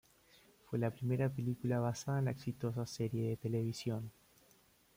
Fue la primera película basada en la exitosa serie de televisión.